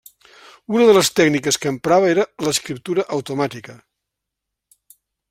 Una de les tècniques que emprava era l'escriptura automàtica.